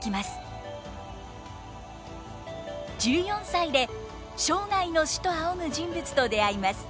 １４歳で生涯の師と仰ぐ人物と出会います。